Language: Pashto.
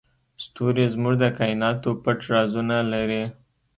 ستوري زموږ د کایناتو پټ رازونه لري.